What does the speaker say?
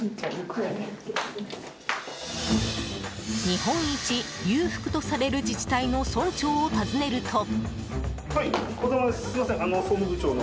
日本一裕福とされる自治体の村長を訪ねると。